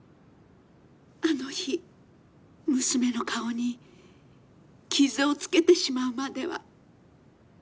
あの日娘の顔に傷をつけてしまうまでは。